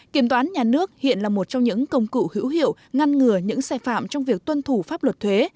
kiểm toán nhà nước hiện là một trong những công cụ hữu hiệu ngăn ngừa những xe phạm trong việc tuân thủ pháp luật thuế